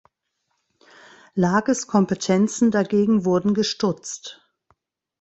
Lages Kompetenzen dagegen wurden gestutzt.